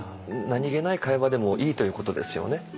何気ない会話でもいいということですよね。